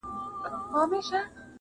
یوازي والی -